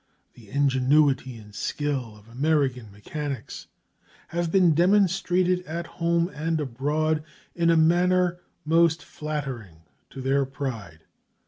The ingenuity and skill of American mechanics have been demonstrated at home and abroad in a manner most flattering to their pride.